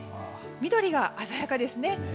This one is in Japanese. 緑が鮮やかですね。